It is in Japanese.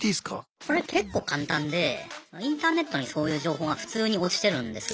これ結構簡単でインターネットにそういう情報が普通に落ちてるんですよ。